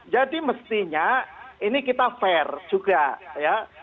jadi mestinya ini kita fair juga ya